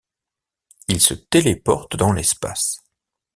Ils se téléportent dans l'espace.